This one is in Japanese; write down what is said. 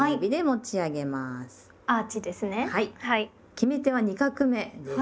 決め手は２画目です。